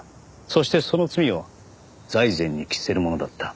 そしてその罪を財前に着せるものだった。